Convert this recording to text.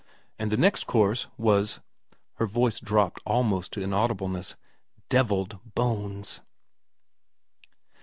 And the next course was ' her voice dropped almost to inaudibleness ' devilled bones.'